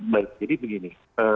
baik jadi begini